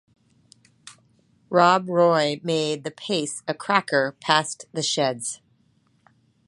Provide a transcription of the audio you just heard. Rob Roy made the pace a cracker past the sheds.